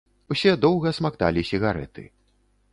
Усе доўга смакталі сігарэты.